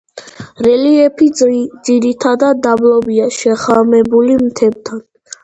რელიეფი ძირითადად დაბლობია, შეხამებული მთებთან.